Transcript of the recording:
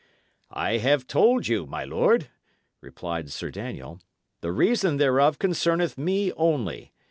"I have told you, my lord," replied Sir Daniel, "the reason thereof concerneth me only.